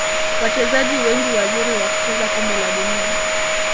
wachezaji wengi wazuri wakicheza kombe la dunia